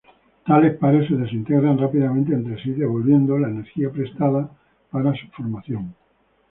Tales pares se desintegran rápidamente entre sí, "devolviendo" la energía "prestada" para su formación.